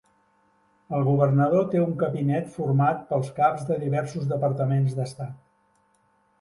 El governador té un cabinet format pels caps de diversos departaments d'estat.